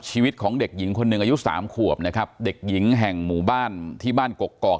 ชีวิตของเด็กหญิงคนหนึ่งอายุสามขวบนะครับเด็กหญิงแห่งหมู่บ้านที่บ้านกกอก